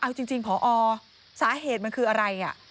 เอาจริงพอสาเหตุมันคืออะไร